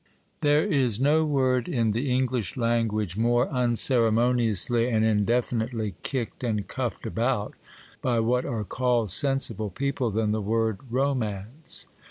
THERE is no word in the English language more unceremoniously and indefinitely kicked and cuffed about, by what are called sensible people, than the word romance.